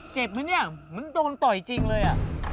เจ็บไหมเนี่ยเหมือนตัวมันต่อยจริงเลย